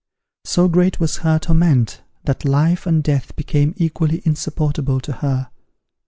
So great was her torment, that life and death became equally insupportable to her.